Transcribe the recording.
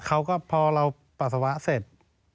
เขาก็พอเราปัสสาวะเสร็จ